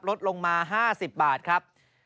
ลดลงมา๕๐บาทครับ